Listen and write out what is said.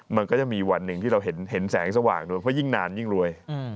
มันก็จะมีวันหนึ่งที่เราเห็นแสงสว่างด้วยเพราะยิ่งนานยิ่งรวย